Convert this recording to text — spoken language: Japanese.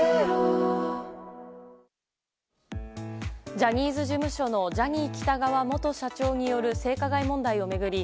ジャニーズ事務所のジャニー喜多川元社長による性加害問題を巡り